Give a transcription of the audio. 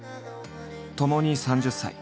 ともに３０歳。